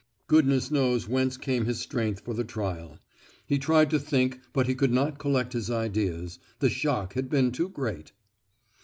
Goodness knows whence came his strength for the trial; he tried to think, but he could not collect his ideas, the shock had been too great.